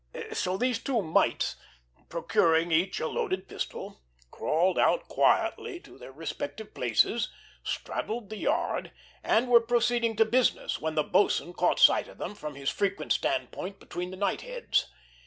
So these two mites, procuring each a loaded pistol, crawled out quietly to their respective places, straddled the yard, and were proceeding to business, when the boatswain caught sight of them from his frequent stand point between the knightheads.